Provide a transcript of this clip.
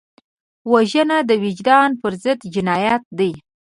وژنه د وجدان پر ضد جنایت دی